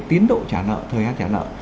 tiến độ trả nợ thời gian trả nợ